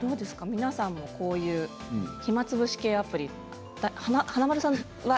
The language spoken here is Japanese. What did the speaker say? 皆さんもこういう暇つぶし系アプリ、華丸さんは。